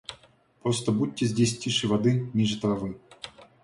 Просто будьте здесь тише воды, ниже травы.